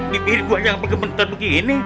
di diri gua jangan bergementer begini